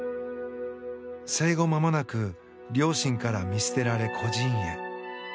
生後まもなく両親から見捨てられ、孤児院へ。